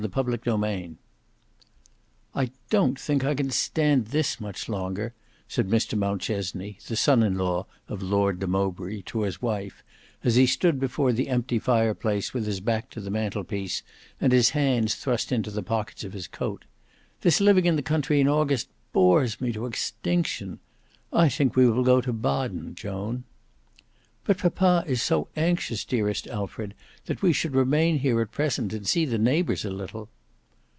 Book 6 Chapter 4 "I don't think I can stand this much longer," said Mr Mountchesney, the son in law of Lord de Mowbray, to his wife, as he stood before the empty fire place with his back to the mantelpiece and his hands thrust into the pockets of his coat. "This living in the country in August bores me to extinction. I think we will go to Baden, Joan." "But papa is so anxious, dearest Alfred, that we should remain here at present and see the neighbours a little."